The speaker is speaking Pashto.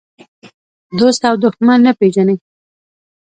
دوست او دښمن نه پېژني.